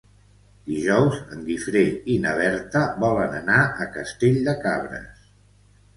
Dijous en Guifré i na Berta volen anar a Castell de Cabres.